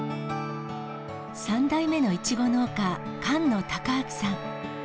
３代目のイチゴ農家、菅野孝明さん。